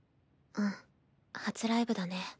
うん初ライブだね。